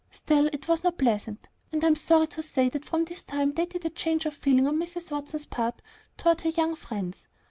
Still, it was not pleasant; and I am sorry to say that from this time dated a change of feeling on Mrs. Watson's part toward her "young friends."